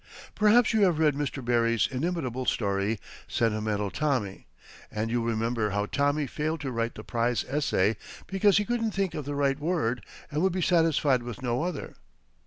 Perhaps you have read Mr. Barrie's inimitable story "Sentimental Tommy," and you will remember how Tommy failed to write the prize essay because he couldn't think of the right word, and would be satisfied with no other.